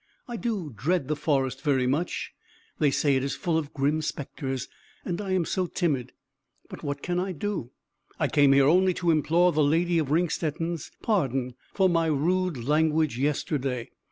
I do dread the forest very much. They say it is full of grim spectres, and I am so timid! But what can I do? I came here only to implore the Lady of Ringstetten's pardon for my rude language yesterday.